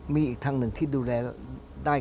มีอีกทางหนึ่งที่ดูแลได้